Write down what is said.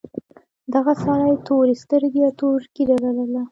دغه سړي تورې سترګې او تور ږیره لرله.